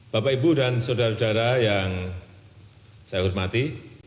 bapak ibu dan saudara saudara yang saya hormati